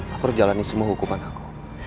aku harus jalani semua hukuman aku